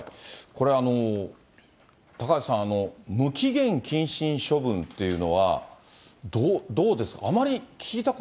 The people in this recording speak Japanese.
これ高橋さん、無期限謹慎処分というのは、どうですか？